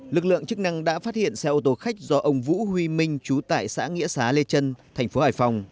lực lượng chức năng đã phát hiện xe ô tô khách do ông vũ huy minh trú tại xã nghĩa xá lê trân thành phố hải phòng